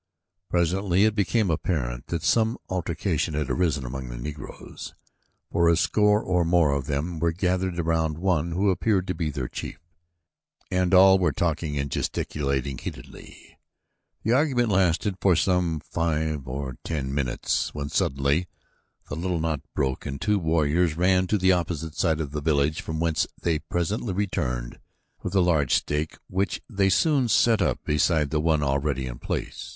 Presently it became apparent that some altercation had arisen among the Negroes, for a score or more of them were gathered around one who appeared to be their chief, and all were talking and gesticulating heatedly. The argument lasted for some five or ten minutes when suddenly the little knot broke and two warriors ran to the opposite side of the village from whence they presently returned with a large stake which they soon set up beside the one already in place.